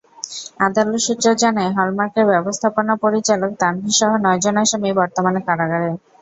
আদালত সূত্র জানায়, হল-মাকের্র ব্যবস্থাপনা পরিচালক তানভীরসহ নয়জন আসামি বর্তমানে কারাগারে।